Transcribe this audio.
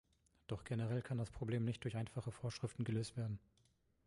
Doch generell kann das Problem nicht durch einfache Vorschriften gelöst werden.